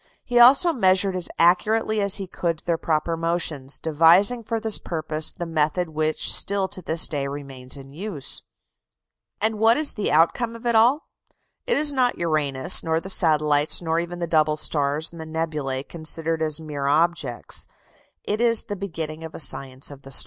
He also measured as accurately as he could their proper motions, devising for this purpose the method which still to this day remains in use. And what is the outcome of it all? It is not Uranus, nor the satellites, nor even the double stars and the nebulæ considered as mere objects: it is the beginning of a science of the stars.